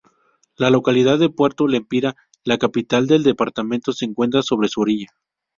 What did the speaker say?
La localidad de Puerto Lempira, la capital del departamento, se encuentra sobre su orilla.